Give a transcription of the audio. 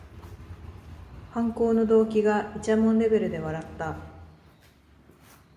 犯行の動機がいちゃもんレベルで笑った